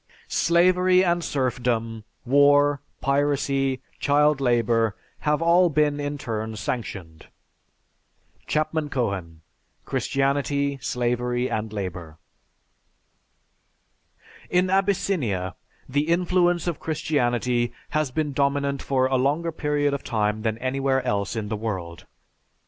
Slavery and serfdom, war, piracy, child labor, have all been in turn sanctioned." (Chapman Cohen: "Christianity, Slavery, and Labor.") In Abyssinia, the influence of Christianity has been dominant for a longer period of time than anywhere else in the world.